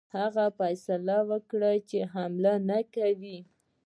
هغه فیصله وکړه چې حمله نه کوي.